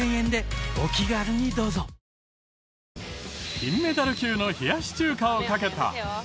金メダル級の冷やし中華をかけた。